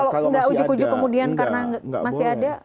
kalau nggak ujuk ujuk kemudian karena masih ada